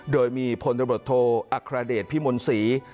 โดยมีพลโดบรถโทอัครเดชน์พี่มนต์ศรี